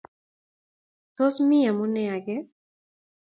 Tos mi amune agee?